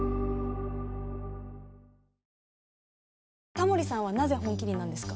タモリさんはなぜ「本麒麟」なんですか？